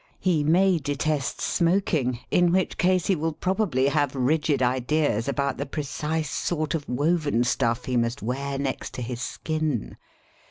He may detest smoking, in which case he will probably 74 SELF AND SELF ^UNAGEMENT have rigid ideas about the precise sort of woven stiiff he must wear next to his skin.